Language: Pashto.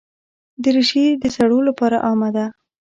دریشي د سړو لپاره عامه ده.